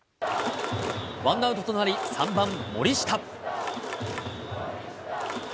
ワンアウトとなり、３番森下。